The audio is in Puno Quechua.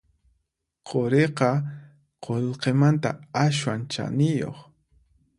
Quriqa qullqimanta aswan chaniyuq